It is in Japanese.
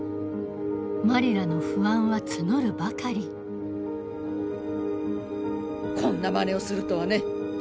マリラの不安は募るばかりこんなまねをするとはね。